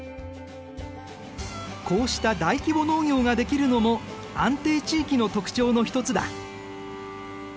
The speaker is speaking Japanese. こうした大規模農業ができるのも安定地域の特徴の一つだ。